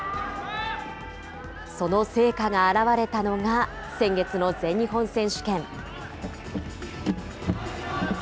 その成果があらわれたのが先月の全日本選手権。